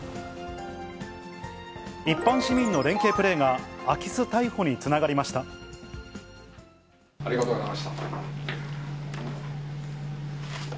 一般市民の連係プレーが空きありがとうございました。